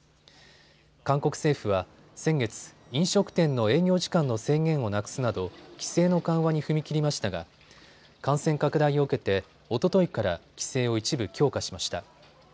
韓国政府は先月、飲食店の営業時間の制限をなくすなど規制の緩和に踏み切りましたが感染拡大を受けておとといから規制を一部、強化しました。